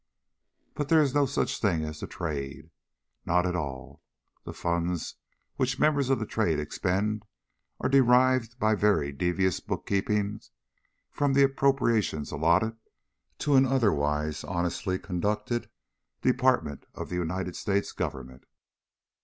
But there is no such thing as the Trade. Not at all. The funds which members of the Trade expend are derived by very devious bookkeeping from the appropriations allotted to an otherwise honestly conducted Department of the United States Government.